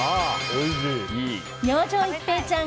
明星一平ちゃん